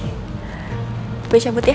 gue cabut ya